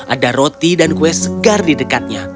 ada roti dan kue segar di dekatnya